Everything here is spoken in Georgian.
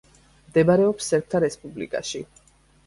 მდებარეობს სერბთა რესპუბლიკაში.